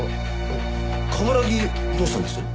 冠城どうしたんです？